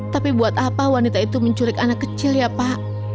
tapi buat apa wanita itu menculik anak kecil ya pak